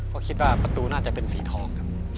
ก็คิดว่าประตูน่าจะเป็นสีทองครับ